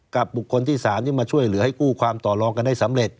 บุคคลที่๓ที่มาช่วยเหลือให้กู้ความต่อรองกันได้สำเร็จ